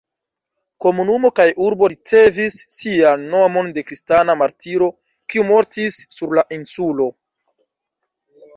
Komunumo kaj urbo ricevis sian nomon de kristana martiro, kiu mortis sur la insulo.